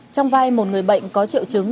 trong vai một người bệnh có triệu chứng